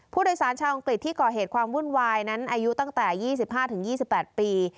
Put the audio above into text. ผู้โดยสารชาวอังกฤษที่ก่อเหตุความวุ่นวายนั้นอายุตั้งแต่๒๕๒๘ปี